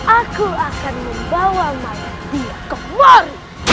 aku akan membawa mata dia kemari